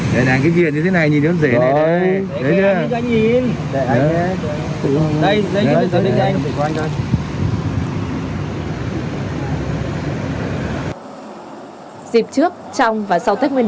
đây là giấy tính nhận kiểm định